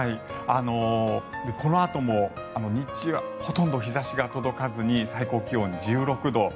このあとも日中ほとんど日差しが届かずに最高気温１６度。